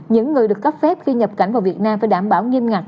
những người được cấp phép khi nhập cảnh vào việt nam phải đảm bảo nghiêm ngặt